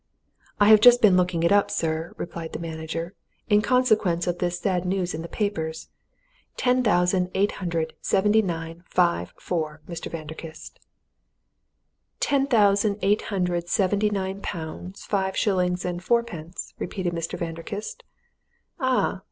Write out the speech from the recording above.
"I have just been looking it up, sir," replied the manager, "in consequence of this sad news in the papers. Ten thousand, eight hundred, seventy nine, five, four, Mr. Vanderkiste." "Ten thousand eight hundred and seventy nine pounds, five shillings and fourpence," repeated Mr. Vanderkiste. "Ah!